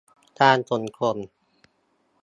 การขนส่ง